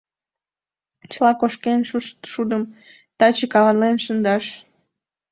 — Чыла кошкен шушо шудым таче каванлен шындаш.